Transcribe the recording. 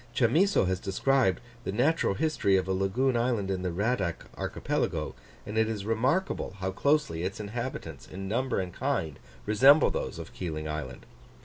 Chamisso has described the natural history of a lagoon island in the Radack Archipelago; and it is remarkable how closely its inhabitants, in number and kind, resemble those of Keeling Island.